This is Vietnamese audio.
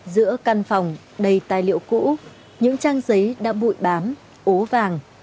giữa căn phòng đầy tài liệu cũ những trang giấy đã bụi bám ố vàng